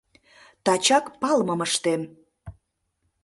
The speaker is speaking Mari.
Тачак палымым ыштем.